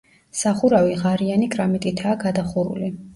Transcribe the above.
სახურავი ღარიანი კრამიტითაა გადახურული.